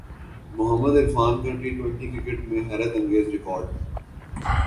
محمد عرفان کا T twenty cricket میں حیرت انگیز ریکارڈ